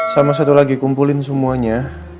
sama satu lagi kumpulin semuanya